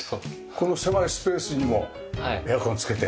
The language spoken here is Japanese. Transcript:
この狭いスペースにもエアコンを付けて。